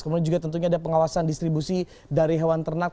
kemudian juga tentunya ada pengawasan distribusi dari hewan ternak